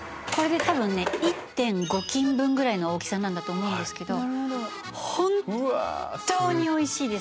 １．５斤分ぐらいの大きさだと思うんですけど本当においしいですから。